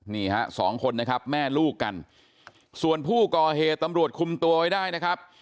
นี่ฮะสองคนนะครับแม่ลูกกันส่วนผู้ก่อเหตุตำรวจคุมตัวไว้ได้นะครับ